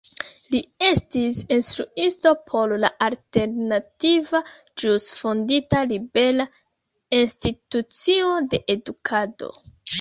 Li estis instruisto por la alternativa ĵus fondita Libera Institucio de Edukado.